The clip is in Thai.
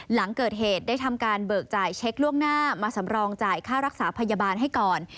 หลังเกิดเหตุได้ทำการเบิกจ่ายเช็คล่วงหน้ามาสำรองจ่ายค่ารักษาพยาบาลให้ก่อน